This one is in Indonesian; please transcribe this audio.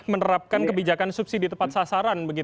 menerapkan kebijakan subsidi tepat sasaran